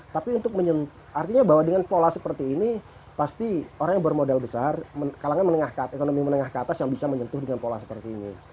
tapi untuk artinya bahwa dengan pola seperti ini pasti orang yang bermodal besar kalangan menengah ekonomi menengah ke atas yang bisa menyentuh dengan pola seperti ini